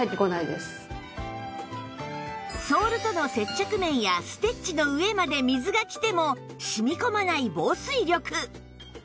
ソールとの接着面やステッチの上まで水が来てもしみこまない防水力